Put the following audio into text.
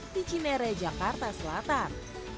di cinerai jakarta selatan